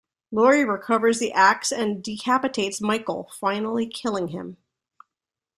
Laurie recovers the axe and decapitates Michael, finally killing him.